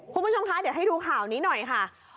คุณผู้ชมคะเดี๋ยวให้ดูข่าวนี้หน่อยค่ะ